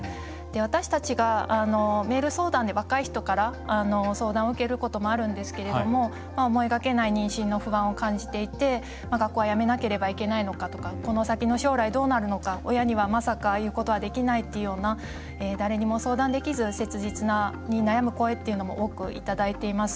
私たちがメール相談で若い人から相談を受けることもあるんですけれども思いがけない妊娠の不安を感じていて、学校をやめなければいけないのかとかこの先の将来どうなるのか親には、まさか言うことはできないというような誰にも相談できず切実に悩む声っていうのも多くいただいています。